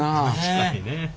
確かにね。